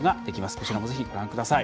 こちらもぜひご覧ください。